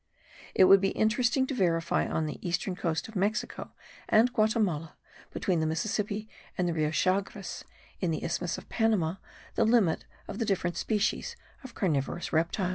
It would be interesting to verify on the eastern coast of Mexico and Guatimala, between the Mississippi and the Rio Chagres (in the isthmus of Panama), the limit of the different species of carnivorous reptiles.